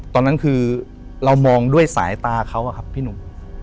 ตอนนั้นคือเรามองด้วยสายตาเขาอะครับพี่หนุ่ม